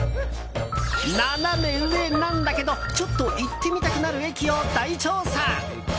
ナナメ上なんだけど、ちょっと行ってみたくなる駅を大調査！